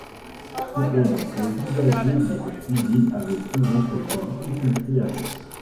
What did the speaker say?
Cependant les usagers de cette cuisine avaient souvent quelques difficultés avec.